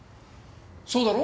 そうだろう？